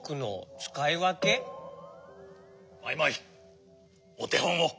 マイマイおてほんを。